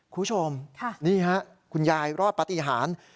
คุณผู้ชมนี่ฮะคุณยายรอดปฏิหาร